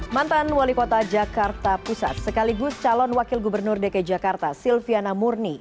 mantan wali kota jakarta pusat sekaligus calon wakil gubernur dki jakarta silviana murni